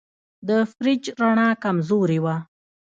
د فریج رڼا کمزورې وه.